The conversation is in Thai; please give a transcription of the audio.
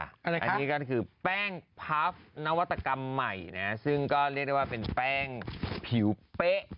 อันนี้ก็คือแป้งพับนวัตกรรมใหม่นะซึ่งก็เรียกได้ว่าเป็นแป้งผิวเป๊ะ